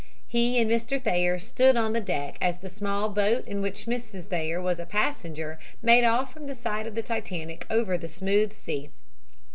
He and Mr. Thayer stood on the deck as the small boat in which Mrs. Thayer was a passenger made off from the side of the Titanic over the smooth sea.